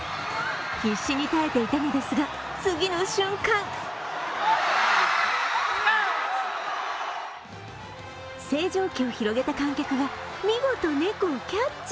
必死に耐えていたのですが、次の瞬間星条旗を広げた観客が見事、猫をキャッチ！